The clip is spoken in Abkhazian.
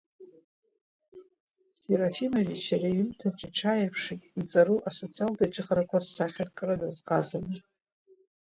Серафимович ари аҩымҭаҿы иҽааирԥшит иҵару асоциалтә еиҿыхарақәа рсахьаркра дазҟазаны.